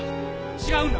違うんだ